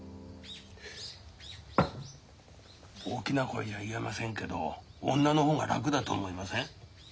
大きな声じゃ言えませんけど女の方が楽だと思いません？